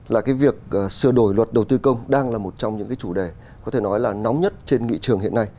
là cái việc sửa đổi luật đầu tư công đang là một trong những cái chủ đề có thể nói là nóng nhất trên nghị trường hiện nay